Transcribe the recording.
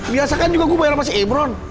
biasa kan juga gue bayar sama si imron